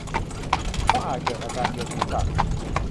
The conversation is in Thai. เพราะอาจเกิดอาการเวียนศีรษะ